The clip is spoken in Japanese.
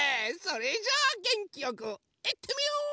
それじゃあげんきよくいってみよう！